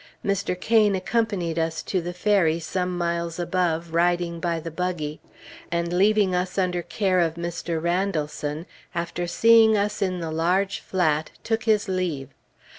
Mr. Cain accompanied us to the ferry some miles above, riding by the buggy; and leaving us under care of Mr. Randallson, after seeing us in the large flat, took his leave.